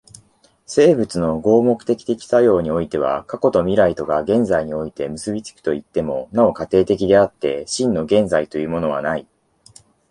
生物の合目的的作用においては過去と未来とが現在において結び付くといっても、なお過程的であって、真の現在というものはない。